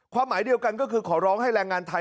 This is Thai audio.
หมายเดียวกันก็คือขอร้องให้แรงงานไทย